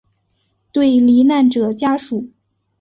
对罹难者家属